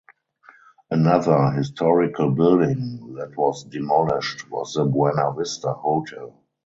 Another historical building that was demolished was the Buena Vista Hotel.